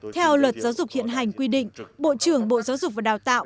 theo luật giáo dục hiện hành quy định bộ trưởng bộ giáo dục và đào tạo